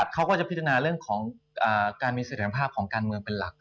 เขาก็จะพิจารณาเรื่องของการมีเสร็จภาพของการเมืองเป็นหลัก